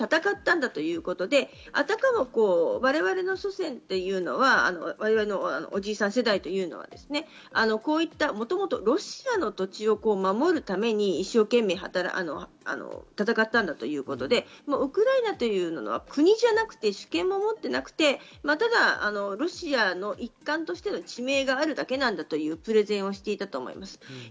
そこで戦ったということで、あたかも我々の祖先というのはおじいさん世代というのは、こういったもともとロシアの土地を守るために一生懸命戦ったんだということで、ウクライナというのは国じゃなくて主権も持っていなくて、ただロシアの一環としての地名があるだけなんだというプレゼンをしていたと思います。